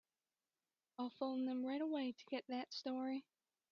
I'll phone them right away to get that story.